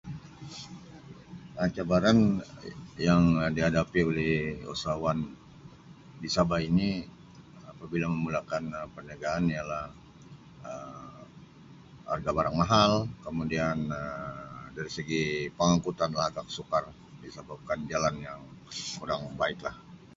Um Cabaran ya-yang dihadapi oleh usahawan di Sabah ini apabila memulakan Um perniagaan ialah Um harga barang mahal kemudian Um dari segi pengangkutan lah agak sukar disababkan jalan yang kurang baiklah.